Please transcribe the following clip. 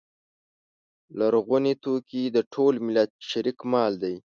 لرغوني توکي د ټول ملت شریک مال دی.